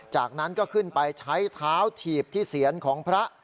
จากนั้นก็ขึ้นไปใช้เท้าถีบที่เสียนของพระ